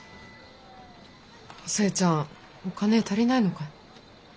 お寿恵ちゃんお金足りないのかい？